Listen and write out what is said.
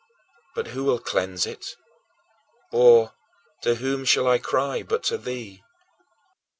But who will cleanse it? Or, to whom shall I cry but to thee?